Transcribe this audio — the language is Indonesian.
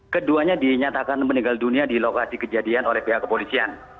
keduanya dinyatakan meninggal dunia di lokasi kejadian oleh pihak kepolisian